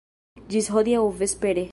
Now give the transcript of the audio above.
Ĝis hodiaŭ vespere.